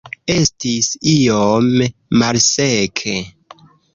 Estis iom malseke.